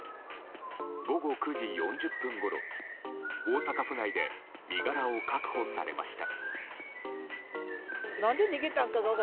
午後９時４０分ごろ大阪府内で身柄を確保されました。